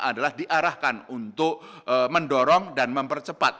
adalah diarahkan untuk mendorong dan mempercepat